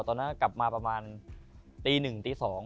ตอนนั้นกลับมาประมาณตี๑ตี๒